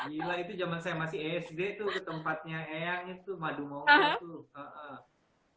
gila itu zaman saya masih sd tuh ke tempatnya eyang itu madumongso tuh